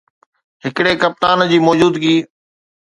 ھڪڙي ڪپتان جي موجودگي